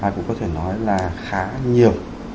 cũng có thể nói là khá nhiều